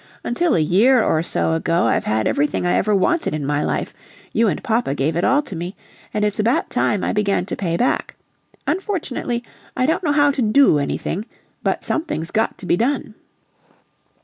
Until a year or so ago I've had everything I ever wanted in my life you and papa gave it all to me and it's about time I began to pay back. Unfortunately, I don't know how to do anything but something's got to be done."